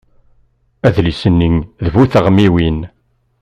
Adlis-nni d bu teɣmiwin.